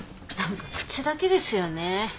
何か口だけですよね。